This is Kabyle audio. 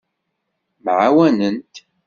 Mɛawanent.